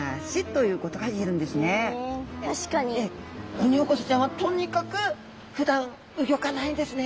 オニオコゼちゃんはとにかくふだん動かないですね。